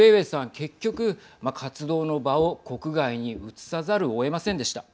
結局活動の場を国外に移さざるをえませんでした。